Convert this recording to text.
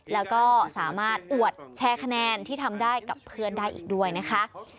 แล้วก็สามารถอวดแชร์คะแนนที่ทำได้กับเพื่อนได้อีกด้วยนะคะ